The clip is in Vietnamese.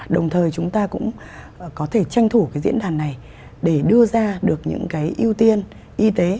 đồng thời chúng ta cũng có thể tranh thủ cái diễn đàn này để đưa ra được những cái ưu tiên y tế